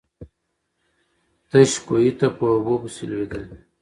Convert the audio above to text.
تش کوهي ته په اوبو پسي لوېدلی.